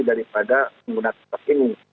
daripada penggunaan tiktok ini